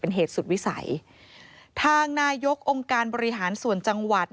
เป็นเหตุสุดวิสัยทางนายกองค์การบริหารส่วนจังหวัด